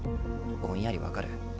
ぼんやり分かる。